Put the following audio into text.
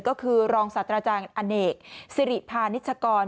ก็คือรองศาสตราจารย์อเนกสิริพานิชกร